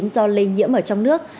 do lây nhiễm ở trong đất nước